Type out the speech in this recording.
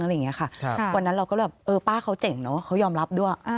วันนั้นเราก็แบบเออป้าเขาเจ๋งเนอะเขายอมรับด้วย